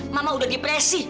mama udah depresi